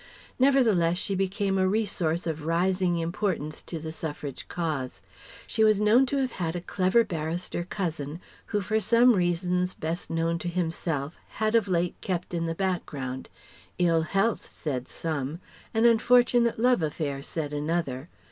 Nevertheless she became a resource of rising importance to the Suffrage cause. She was known to have had a clever barrister cousin who for some reasons best known to himself had of late kept in the background ill health, said some; an unfortunate love affair, said another.